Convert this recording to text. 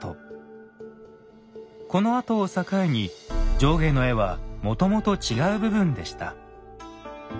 この跡を境に上下の絵はもともと違う部分でした。